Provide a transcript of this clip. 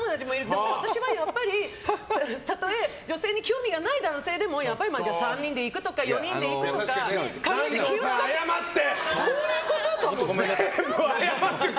でも私はやっぱりたとえ女性に興味がない男性でも３人で行くとか４人で行くとか気を使って。